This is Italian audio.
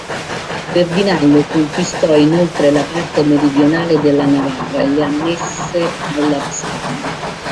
Ferdinando conquistò inoltre la parte meridionale della Navarra e la annesse alla Spagna.